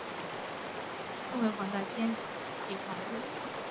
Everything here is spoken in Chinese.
分为黄大仙下邨为租者置其屋计划屋邨。